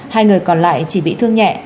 hai người còn lại chỉ bị thương nhẹ